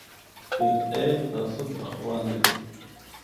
فر ایہہ تعصب آخواندے۔